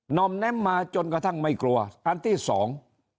อมแน้มมาจนกระทั่งไม่กลัวอันที่สอง